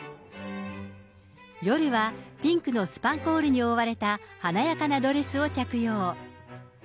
夜はピンクのスパンコールに覆われた華やかなドレスを着用。